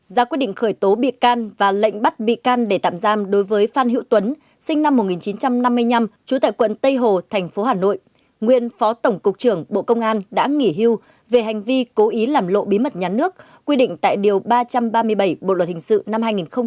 ba giá quyết định khởi tố bị can và lệnh bắt bị can để tạm giam đối với trần văn minh sinh năm một nghìn chín trăm năm mươi năm trú tại quận hải châu tp đà nẵng nguyên chủ tịch ủy ban nhân dân tp đà nẵng từ năm hai nghìn sáu đến năm hai nghìn một mươi một